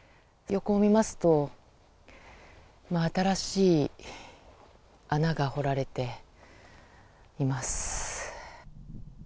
横を見ますと新しい穴が掘られています。